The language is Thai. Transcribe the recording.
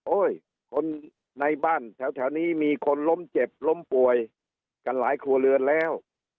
คนในบ้านแถวนี้มีคนล้มเจ็บล้มป่วยกันหลายครัวเรือนแล้ว